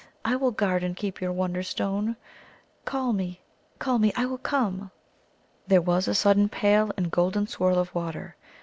I will guard and keep your Wonderstone. Call me, call me. I will come." There was a sudden pale and golden swirl of water.